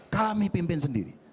kami pimpin sendiri